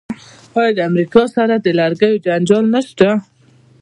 آیا د امریکا سره د لرګیو جنجال نشته؟